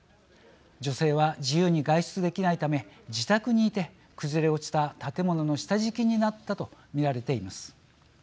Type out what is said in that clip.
女性は自由に外出できないため自宅にいて崩れ落ちた建物の下敷きになったと見られています。